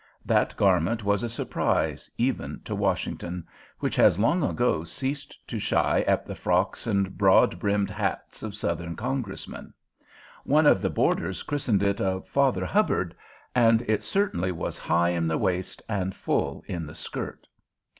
That garment was a surprise even to Washington, which has long ago ceased to shy at the frocks and broad brimmed hats of Southern Congressmen. One of the boarders christened it a "Father Hubbard," and it certainly was high in the waist and full in the skirt.